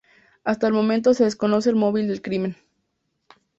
Hasta el momento se desconoce el móvil del crimen.